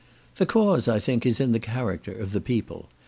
The cause, I think, is in the character of the people.